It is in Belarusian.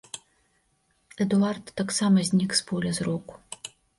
Эдуард таксама знік з поля зроку.